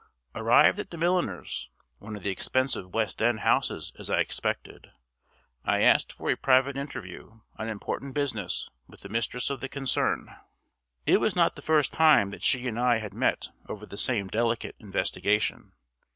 Arrived at the milliner's (one of the expensive West End houses, as I expected), I asked for a private interview, on important business, with the mistress of the concern. It was not the first time that she and I had met over the same delicate investigation.